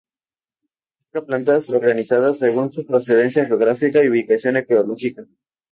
Alberga plantas organizadas según su procedencia geográfica y ubicación ecológica.